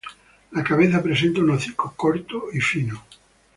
La cabeza presenta un hocico corto y fino.